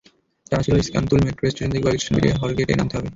জানা ছিল স্কান্সতুল metro station থেকে কয়েক স্টেশন পেরিয়ে হটরগেটে নামতে হবে।